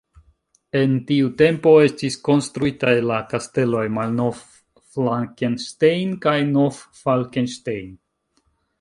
En tiu tempo estis konstruitaj la kasteloj Malnov-Flakenstein kaj Nov-Falkenstein.